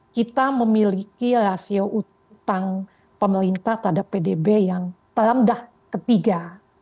kita memiliki rasio utang pemerintah terhadap pdb yang telah dah ketiga